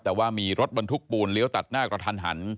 แต่ว่ามีรถบรรทุกปูนเลี้ยวตัดหน้ากระทันหัน